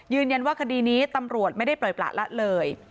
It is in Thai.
ยืนยันว่าคดีนี้ตำรวจไม่ได้ปล่อยปรากฏและเลย